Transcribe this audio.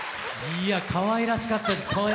かわいらしかったです。